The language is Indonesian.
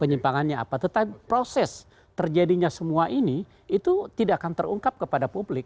penyimpangannya apa tetapi proses terjadinya semua ini itu tidak akan terungkap kepada publik